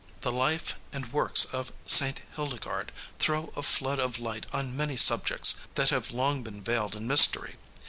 " The life and works of St. Hildegard throw a flood of light on many subjects that have long been veiled in mystery.